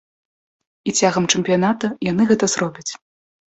І цягам чэмпіяната яны гэта зробяць.